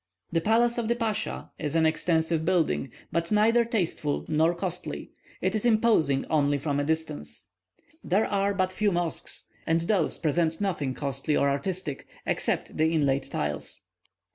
The palace of the pascha is an extensive building, but neither tasteful nor costly; it is imposing only from a distance. There are but few mosques, and those present nothing costly or artistic, except the inlaid tiles.